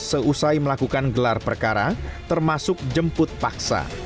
seusai melakukan gelar perkara termasuk jemput paksa